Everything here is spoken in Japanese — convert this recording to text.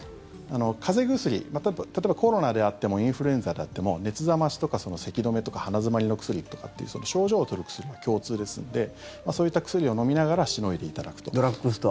風邪薬、例えばコロナであってもインフルエンザであっても熱冷ましとか、せき止めとか鼻詰まりの薬とかっていう症状を取る薬は共通ですんでそういった薬を飲みながらしのいでいただくと。